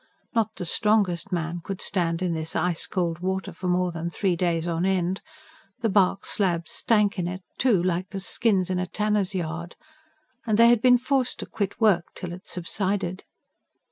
Not the strongest man could stand in this ice cold water for more than three days on end the bark slabs stank in it, too, like the skins in a tanner's yard and they had been forced to quit work till it subsided.